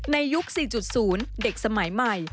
ยุค๔๐เด็กสมัยใหม่